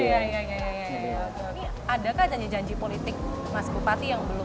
adakah janji janji politik mas bumpati yang belum